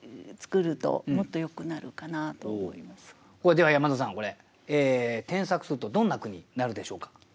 では山田さん添削するとどんな句になるでしょうか？